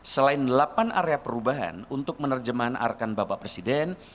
selain delapan area perubahan untuk menerjemah arkan bapak presiden